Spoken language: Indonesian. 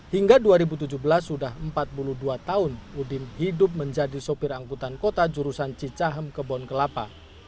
hingga dua ribu tujuh belas sudah empat puluh dua tahun udin hidup menjadi sopir angkutan kota jurusan cicahem kebon kelapa